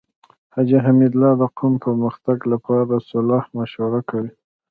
حاجی حميدالله د قوم د پرمختګ لپاره صلاح مشوره کوي.